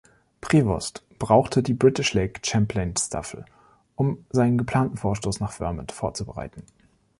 Prevost brauchte die British Lake Champlain Staffel, um seinen geplanten Vorstoß nach Vermont vorzubereiten.